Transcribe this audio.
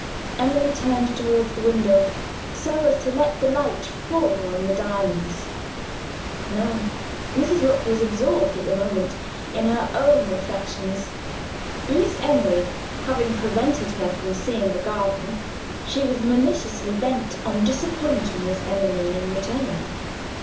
Emily turned toward the window, so as to let the light fall on the diamonds. No: Mrs. Rook was absorbed, at the moment, in her own reflections. Miss Emily, having prevented her from seeing the garden, she was maliciously bent on disappointing Miss Emily in return.